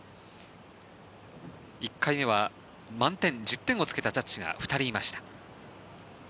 １回目は満点、１０点をつけたジャッジが２人いました。